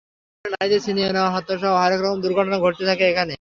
মালামাল লুণ্ঠন, নারীদের ছিনিয়ে নেওয়া, হত্যাসহ হরেকরকম দুর্ঘটনা ঘটতে থাকে এখানে।